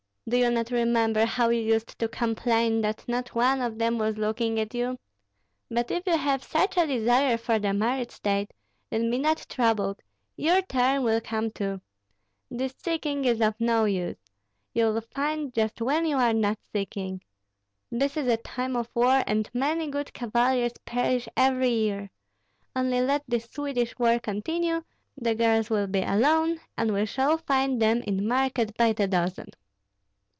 Do you not remember how you used to complain that not one of them was looking at you? But if you have such a desire for the married state, then be not troubled; your turn will come too. This seeking is of no use; you will find just when you are not seeking. This is a time of war, and many good cavaliers perish every year. Only let this Swedish war continue, the girls will be alone, and we shall find them in market by the dozen."